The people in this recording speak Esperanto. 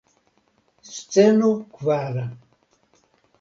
Sceno kvara.